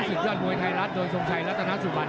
สิทธิ์ยอดมวยไทยรัฐโดยสมชัยรัตนสุบัน